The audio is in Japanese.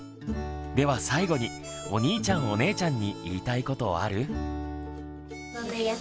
では最後にお兄ちゃんお姉ちゃんに言いたいことある？